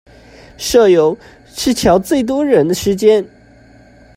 社遊是喬最多人的時間